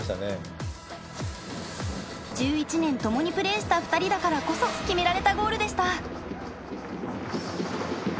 １１年共にプレーした２人だからこそ決められたゴールでした。